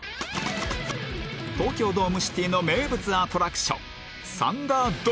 東京ドームシティの名物アトラクション